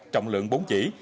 trọng lượng bốn chỉ